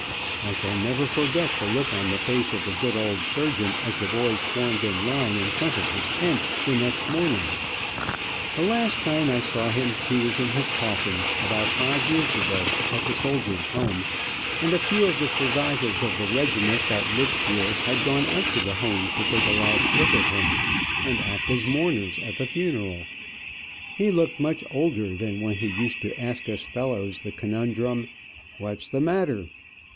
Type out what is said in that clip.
I shall never forget the look on the face of the good old surgeon, as the boys formed in line in front of his tent the next morning. The last time I saw him, he was in his coffin, about five years ago, at the soldier's home, and a few of the survivors of the regiment that lived here had gone out to the home to take a last look at him, and act as mourners at the funeral. He looked much older than when he used to ask us fellows the conumdrum, "What's the matter?"